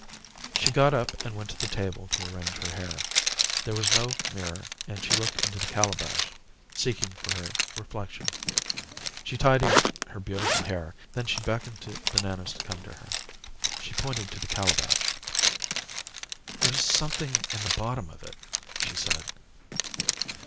She got up and went to the table to arrange her hair. There was no mirror and she looked into the calabash, seeking for her reflection. She tidied her beautiful hair. Then she beckoned to Bananas to come to her. She pointed to the calabash. "There's something in the bottom of it," she said.